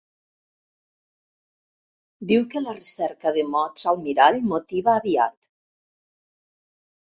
Diu que la recerca de mots almirall motiva aviat.